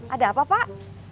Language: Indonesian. ada apa pak